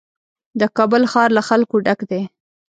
د کابل ښار له خلکو ډک دی.